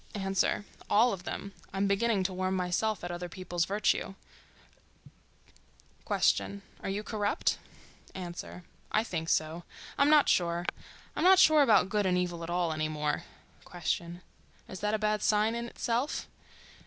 A.—All of them. I'm beginning to warm myself at other people's virtue. Q.—Are you corrupt? A.—I think so. I'm not sure. I'm not sure about good and evil at all any more. Q.—Is that a bad sign in itself?